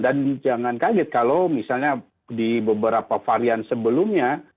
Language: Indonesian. dan jangan kaget kalau misalnya di beberapa varian sebelumnya